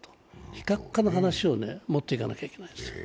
非核化の話をもっていかなきゃいけないんですよ。